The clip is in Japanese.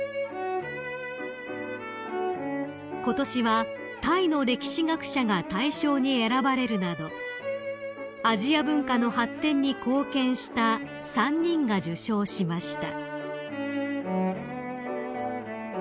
［ことしはタイの歴史学者が大賞に選ばれるなどアジア文化の発展に貢献した３人が受賞しました］